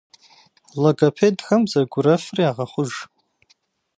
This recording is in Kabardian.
Логопедхэм бзэгурэфыр ягъэхъуж.